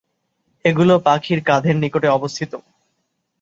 এগুলো পাখির কাঁধের নিকটে অবস্থিত।